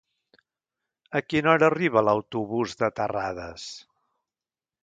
A quina hora arriba l'autobús de Terrades?